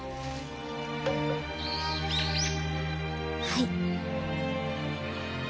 はい。